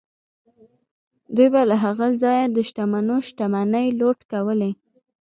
دوی به له هغه ځایه د شتمنو شتمنۍ لوټ کولې.